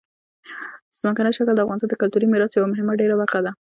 ځمکنی شکل د افغانستان د کلتوري میراث یوه ډېره مهمه برخه ده.